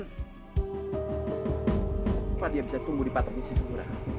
bagaimana dia bisa tumbuh di patok ini surat